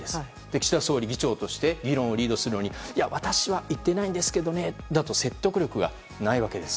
岸田総理は議長として議論をリードするのに私は行っていないんですけどねだと説得力がないわけです。